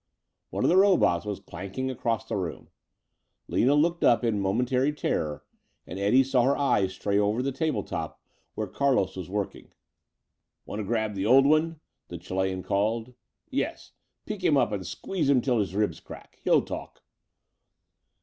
One of the robots was clanking across the room. Lina looked up in momentary terror and Eddie saw her eyes stray over the table top where Carlos was working. "Want to grab the old one?" the Chilean called. "Yes. Pick him up and squeeze him till his ribs crack. He'll talk."